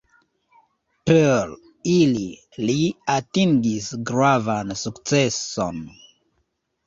Per ili li atingis gravan sukceson.